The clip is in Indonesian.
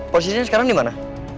posisinya sekarang dimana